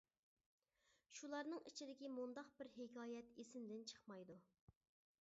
شۇلارنىڭ ئىچىدىكى مۇنداق بىر ھېكايەت ئېسىمدىن چىقمايدۇ.